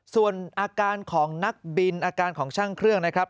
ส่วนอาการของนักบินอาการของช่างเครื่องนะครับ